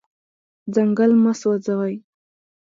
ځنګل مه سوځوئ.